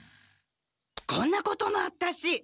こんなこともあったし。